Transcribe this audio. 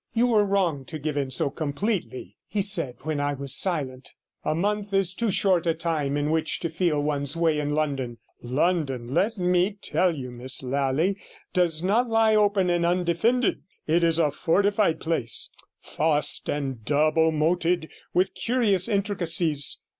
'You were wrong to give in so completely,' he said, when I was silent. 'A month is too short a time in which to feel one's way in London. London, let 46 me tell you, Miss Lally, does not lie open and undefended; it is a fortified place, fossed and double moated with curious intricacies.